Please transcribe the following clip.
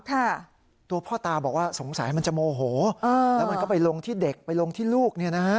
ค่ะตัวพ่อตาบอกว่าสงสัยมันจะโมโหอ่าแล้วมันก็ไปลงที่เด็กไปลงที่ลูกเนี่ยนะฮะ